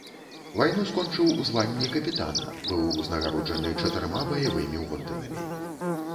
Вайну скончыў у званні капітана, быў узнагароджаны чатырма баявымі ордэнамі.